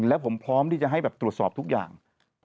และผมพร้อมที่จะให้แบบตรวจสอบทุกอย่าง